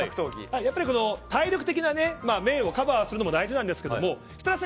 やっぱり体力的な面をカバーするのも大事なんですけども設楽さん